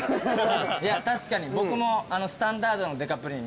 いや確かに僕もスタンダードのでかプリン３つで。